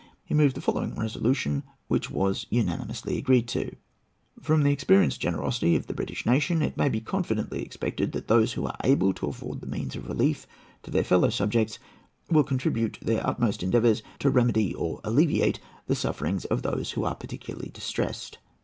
He moved the following resolution, which was unanimously agreed to:— "From the experienced generosity of the British nation it may be confidently expected that those who are able to afford the means of relief to their fellow subjects will contribute their utmost endeavours to remedy or alleviate the sufferings of those who are particularly distressed."